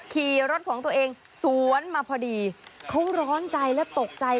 ขี่รถของตัวเองสวนมาพอดีเขาร้อนใจและตกใจ